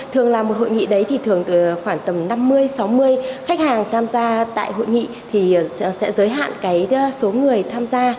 thường là một hội nghị đấy thì thường khoảng tầm năm mươi sáu mươi khách hàng tham gia tại hội nghị thì sẽ giới hạn cái số người tham gia